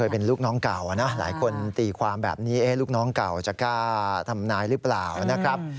เป็นลูกน้องเก่านะหลายคนตีความแบบนี้ลูกน้องเก่าจะกล้าทำนายหรือเปล่านะครับ